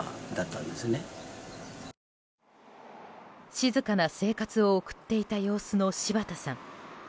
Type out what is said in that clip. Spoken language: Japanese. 静かな生活を送っていた様子の柴田さん。